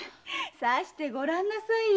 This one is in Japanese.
さしてごらんなさいよ。